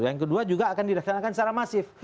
yang kedua juga akan dilaksanakan secara masif